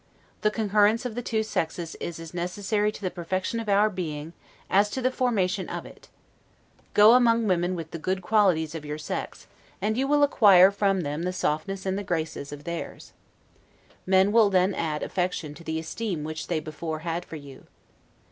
The concurrence of the two sexes is as necessary to the perfection of our being, as to the formation of it. Go among women with the good qualities of your sex, and you will acquire from them the softness and the graces of theirs. Men will then add affection to the esteem which they before had for you.